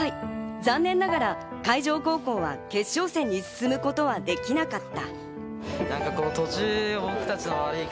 残念ながら海城高校は決勝戦に進むことはできなかった。